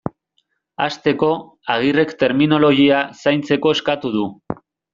Hasteko, Agirrek terminologia zaintzeko eskatu du.